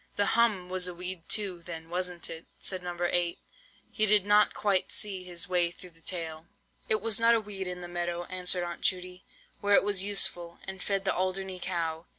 "'The hum was a weed too, then, was it?" said No. 8. He did not quite see his way through the tale. "It was not a weed in the meadow," answered Aunt Judy, "where it was useful, and fed the Alderney cow.